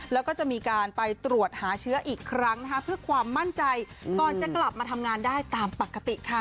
แล้วก็จะมีการไปตรวจหาเชื้ออีกครั้งนะคะเพื่อความมั่นใจก่อนจะกลับมาทำงานได้ตามปกติค่ะ